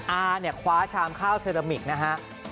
อาเนี่ยคว้าชามข้าวเซรามิกนะฮะ